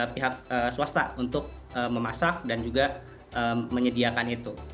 pihak swasta untuk memasak dan juga menyediakan itu